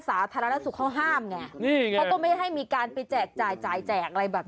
สาธารณสุขเขาห้ามไงนี่ไงเขาก็ไม่ให้มีการไปแจกจ่ายจ่ายแจกอะไรแบบ